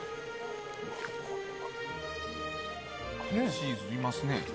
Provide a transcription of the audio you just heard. チーズいますね。